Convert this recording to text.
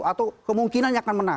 atau kemungkinan yang akan menang